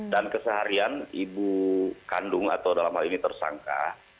dan keseharian ibu kandung atau dalam hal ini tersangka